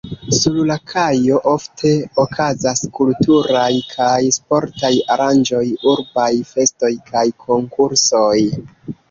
Sur la kajo ofte okazas kulturaj kaj sportaj aranĝoj, urbaj festoj kaj konkursoj.